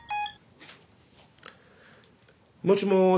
もしもし。